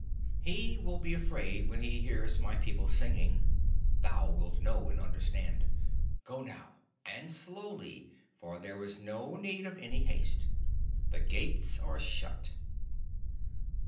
"He will be afraid when he hears my people singing. Thou wilt know and understand. Go now, and slowly, for there is no need of any haste. The gates are shut."